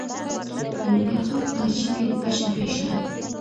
د ننګرهار په اچین کې د ګچ نښې شته.